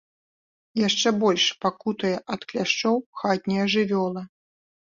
Яшчэ больш пакутуе ад кляшчоў хатняя жывёла.